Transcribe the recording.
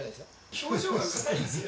・表情が硬いんですよね。